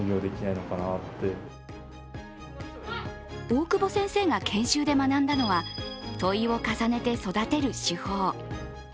大久保先生が研修で学んだのは問を重ねて育てる手法。